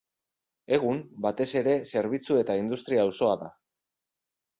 Egun, batez ere zerbitzu eta industria-auzoa da.